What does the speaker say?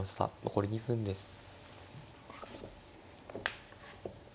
残り２分です。